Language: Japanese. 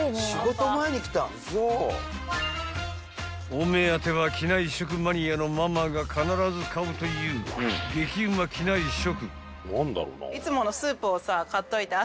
［お目当ては機内食マニアのママが必ず買うという激うま機内食］